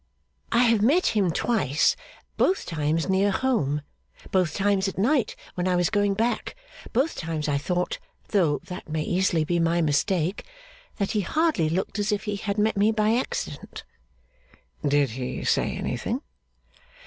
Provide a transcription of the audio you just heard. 'I have met him twice. Both times near home. Both times at night, when I was going back. Both times I thought (though that may easily be my mistake), that he hardly looked as if he had met me by accident.' 'Did he say anything?